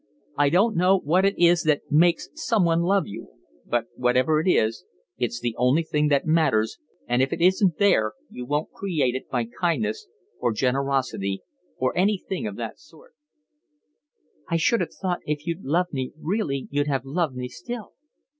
I don't know what it is that makes someone love you, but whatever it is, it's the only thing that matters, and if it isn't there you won't create it by kindness, or generosity, or anything of that sort." "I should have thought if you'd loved me really you'd have loved me still."